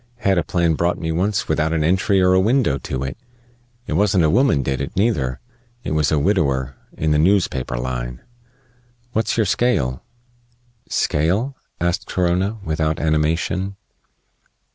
"Had a plan brought me once without an entry or a window to it. It wasn't a woman did it, neither. It was a widower, in the noospaper line. What's your scale?" "Scale?" asked Corona, without animation.